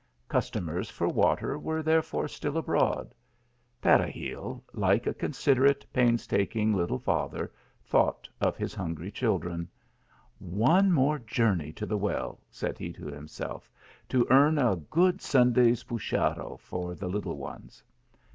Customers for v ater were therefore still abroad. Peregil, like a considerate, painstaking little father, thought of his iuingry children. " One more journey to the well," said he to himself, " to earn a good Sunday s puchero for the little ones."